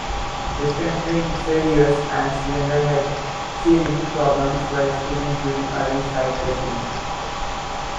Piston ring failures and cylinder head sealing problems were experienced during early flight testing.